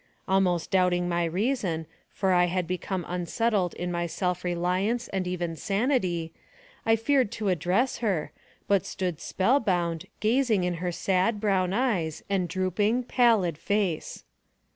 Almost doubting my reason, for I had become un settled in my self reliance, and even sanity, I feared to address her, but stood spell bound, gazing in her sad brown eyes and drooping, pallid face.